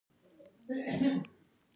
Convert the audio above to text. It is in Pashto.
فاعلیتونه یوه ذات حکیمانه ارادې راجع کېږي.